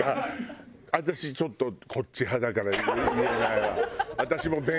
私ちょっとこっち派だから言えないわ。